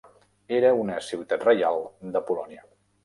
Era una ciutat reial de Polònia.